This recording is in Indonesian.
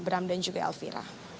bram dan juga elvira